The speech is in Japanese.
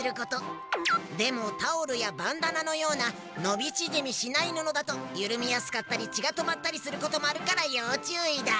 でもタオルやバンダナのようなのびちぢみしないぬのだとゆるみやすかったりちがとまったりすることもあるからようちゅういだ。